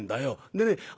でね